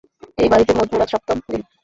এই বাড়িতে মজনুর আজ সপ্তম দিন।